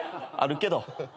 あるけど。